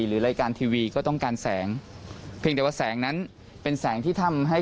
หรือรายการทีวีก็ต้องการแสงเพียงแต่ว่าแสงนั้นเป็นแสงที่ทำให้